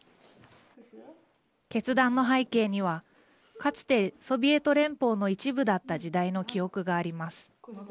決断の背景にはかつてソビエト連邦の一部だった時代の記憶があります。